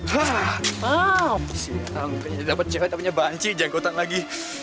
sial kayaknya dapet cewek tapi nyebanci jangan kotak lagi